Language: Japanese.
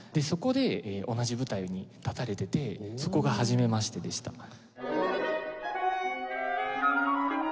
そこで同じ舞台に立たれててそこがはじめましてでした。